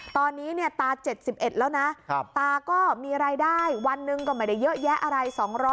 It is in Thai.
ตอนนี้ตา๗๑แล้วนะตาก็มีรายได้วันหนึ่งก็ไม่ได้เยอะแยะอะไร